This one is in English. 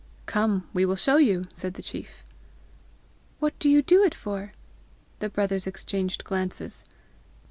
"Come; we will show you," said the chief. "What do you do it for?" The brothers exchanged glances.